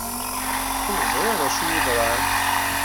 Ur ẓriɣ d acu yeḍran.